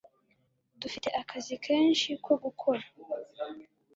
dufite akazi kenshi ko gukora